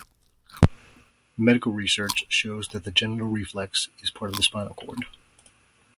Medical research shows that the genital reflex is part of the spinal cord.